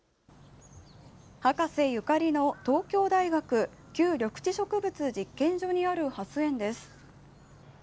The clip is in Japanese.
博士ゆかりの東京大学旧緑地植物実験所にあるハス園です。